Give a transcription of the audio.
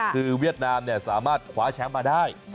คือเวียดนามสามารถคว้าแชมป์มาได้